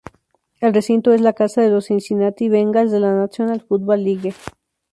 El recinto es la casa de los Cincinnati Bengals de la National Football League.